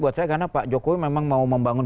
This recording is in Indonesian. buat saya karena pak jokowi memang mau membangun